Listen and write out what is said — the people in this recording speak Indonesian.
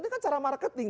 ini kan cara marketing